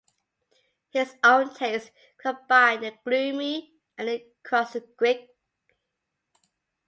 His own taste combined the gloomy and the grotesque.